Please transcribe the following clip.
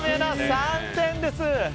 ３点です。